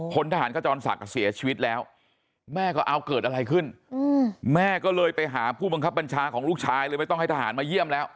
พลทหารขจรศักดิ์เสียชีวิตแล้วแม่ก็เอาเกิดอะไรขึ้นแม่ก็เลยไปหาผู้บังคับบัญชาของลูกชายเลยไม่ต้องให้ทหารมาเยี่ยมแล้ว